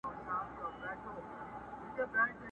o زوړ يار، ځين کړی آس دئ!